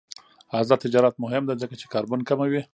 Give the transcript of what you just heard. آزاد تجارت مهم دی ځکه چې کاربن کموي.